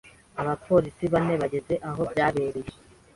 Abapolisi bane bageze aho byabereye.